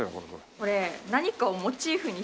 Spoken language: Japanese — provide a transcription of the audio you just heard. これ？